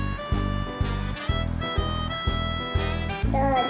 どうぞ。